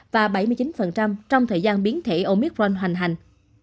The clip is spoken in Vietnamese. và bảy mươi chín trong thời gian biến thể omicron hoành hành